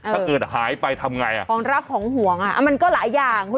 ถ้าเกิดหายไปทำไหนอ่ะถาม